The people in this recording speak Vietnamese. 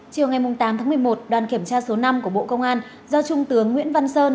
chiều ngày tám tháng một mươi một đoàn kiểm tra số năm của bộ công an do trung tướng nguyễn văn sơn